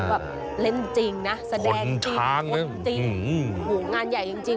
แบบเล่นจริงนะแสดงจริงมองจริง